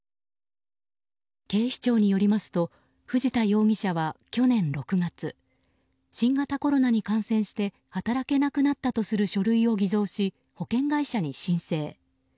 警視庁によりますと藤田容疑者は去年６月新型コロナに感染して働けなくなったとする書類を偽造し保険会社に申請。